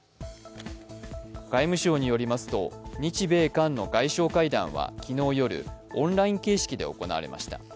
外務省によりますと日米韓の外相会談は昨日夜、オンライン形式で行われました。